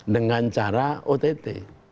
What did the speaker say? dengan cara ott